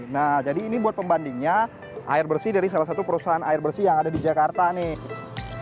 nah jadi ini buat pembandingnya air bersih dari salah satu perusahaan air bersih yang ada di jakarta nih